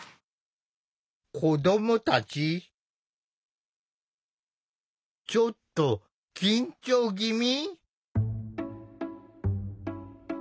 子どもたちちょっと緊張ぎみ？